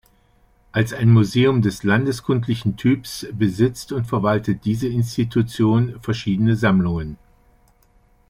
Als ein Museum des landeskundlichen Typs besitzt und verwaltet diese Institution verschiedene Sammlungen.